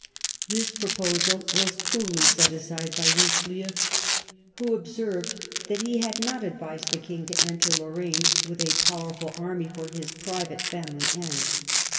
This proposal was coolly put aside by Richelieu, who observed that he had not advised the King to enter Lorraine with a powerful army for his private family ends.